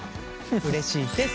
うれしいです。